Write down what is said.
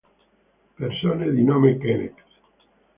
Persone di nome Kenneth